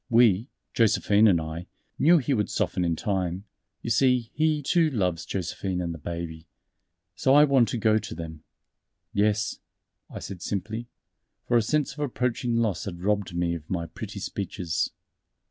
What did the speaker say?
We Josephine and I knew he would soften in time; you see he, too, loves Josephine and the Baby. So I want to go to them." "Yes," I said simply, for a sense of approaching loss had robbed me of my pretty speeches.